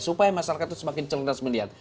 supaya masyarakat itu semakin cerdas melihat